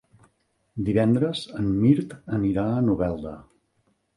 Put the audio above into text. Divendres en Mirt anirà a Novelda.